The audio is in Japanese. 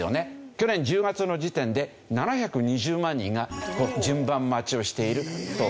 去年１０月の時点で７２０万人が順番待ちをしているというわけなんですね。